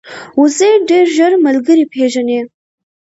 وزې ډېر ژر ملګري پېژني